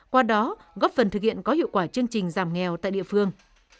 qua đó góp phần thực hiện có hiệu quả chương trình giảm nghèo tại địa phương